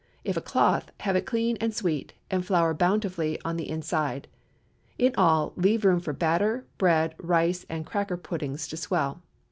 If a cloth, have it clean and sweet, and flour bountifully on the inside. In all, leave room for batter, bread, rice, and cracker puddings to swell.